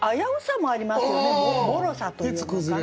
もろさというのかな。